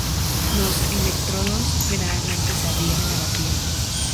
Los electrodos generalmente se adhieren a la piel.